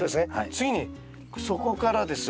次にそこからですね